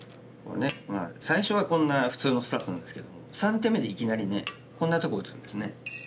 最初はこんな普通のスタートなんですけども３手目でいきなりこんなとこ打つんですね。